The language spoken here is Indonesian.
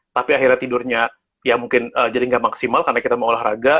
tapi akhirnya tidurnya ya mungkin jadi nggak maksimal karena kita mau olahraga